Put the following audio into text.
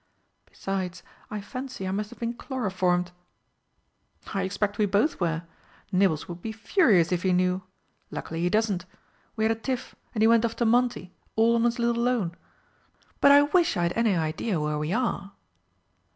Besides, I fancy I must have been chloroformed." "I expect we both were. Nibbles would be furious if he knew luckily he doesn't. We had a tiff, and he went off to Monte, all on his little lone. But I wish I had any idea where we are."